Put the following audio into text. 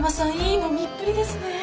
いい飲みっぷりですね！